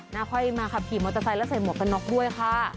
ค่อยมาขับขี่มอเตอร์ไซค์แล้วใส่หมวกกันน็อกด้วยค่ะ